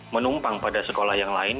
menumpang pada sekolah yang lain